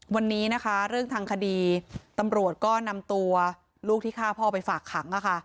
วันนี้นะคะเรื่องทางคดีตำรวจก็นำตัวลูกที่ฆ่าพ่อไปฝากขัง